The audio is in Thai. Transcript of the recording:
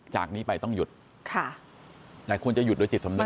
จากนี้ไปต้องหยุดค่ะแต่ควรจะหยุดโดยจิตสำเร็